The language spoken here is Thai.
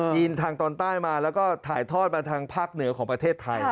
ทางตอนใต้มาแล้วก็ถ่ายทอดมาทางภาคเหนือของประเทศไทย